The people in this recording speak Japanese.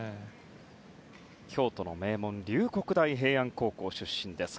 京都の名門龍谷大平安高校出身です。